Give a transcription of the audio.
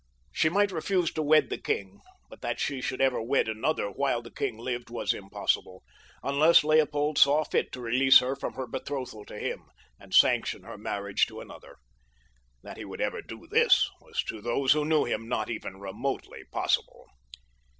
She might refuse to wed the king; but that she should ever wed another while the king lived was impossible, unless Leopold saw fit to release her from her betrothal to him and sanction her marriage to another. That he ever would do this was to those who knew him not even remotely possible.